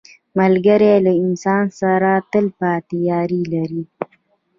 ملګری له انسان سره تل پاتې یاري لري